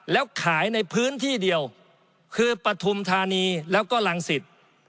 แล้วขายในพื้นที่เดียวคือปฐุมธานีแล้วก็รังสิต